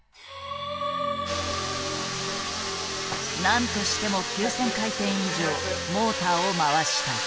何としても９，０００回転以上モーターを回したい。